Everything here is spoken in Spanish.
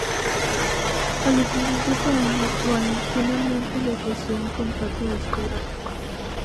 A los diecisiete años, Wallace finalmente le ofreció un contrato discográfico.